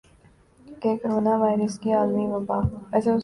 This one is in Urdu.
کہ کورونا وائرس کی عالمی وبا